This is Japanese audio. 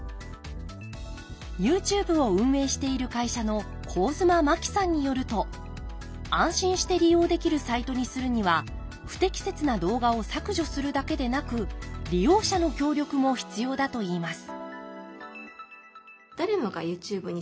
ＹｏｕＴｕｂｅを運営している会社の上妻真木さんによると安心して利用できるサイトにするには不適切な動画を削除するだけでなく利用者の協力も必要だといいます